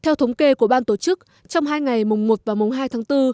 theo thống kê của ban tổ chức trong hai ngày mùng một và mùng hai tháng bốn